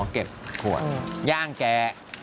เก็บขวดย่างแก